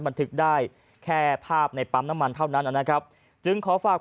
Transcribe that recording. มันถึงได้แค่ภาพในป๊ำน้ำมันเท่านั้นอะนะครับ